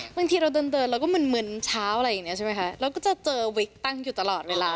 บางทีเราเดินเดินเราก็มึนมึนเช้าอะไรอย่างเงี้ใช่ไหมคะเราก็จะเจอวิกตั้งอยู่ตลอดเวลา